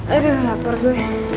aduh lapar gue